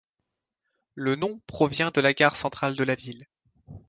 Le nom provient de la gare centrale de la ville.